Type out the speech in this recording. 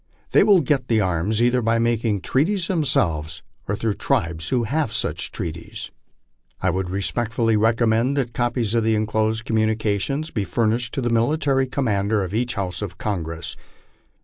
They will get the arms either by making treaties themselves or through tribes who have such treaties. I would respectfully recommend that copiee of the enclosed communications be furnished to the Military Committee of each house of Congress.